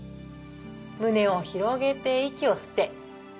胸を広げて息を吸って。